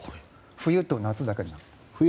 冬と夏だけになると。